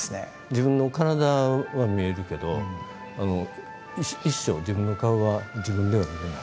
自分の体は見えるけど一生自分の顔は自分では見れない。